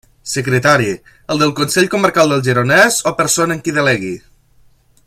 Secretari: el del Consell Comarcal del Gironès o persona en qui delegui.